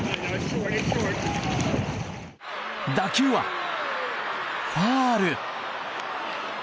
打球は、ファウル。